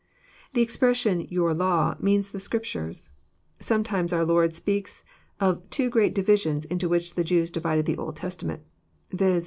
The expression, " your law," means the Scdptures. Some times oar Lord speaks of two great divisions into which the Jews divided the Old Testament : viz.